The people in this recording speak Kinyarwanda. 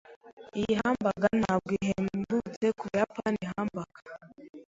Iyi hamburger ntabwo ihendutse kubuyapani hamburger.